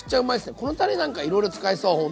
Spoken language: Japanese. このたれなんかいろいろ使えそうほんとに。